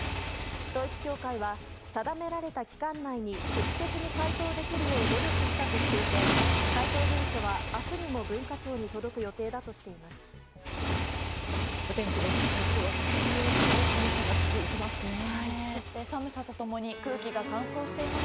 統一教会は、定められた期間内に適切に回答できるよう努力したとしていて回答文書は明日にも文化庁に届く予定だとしています。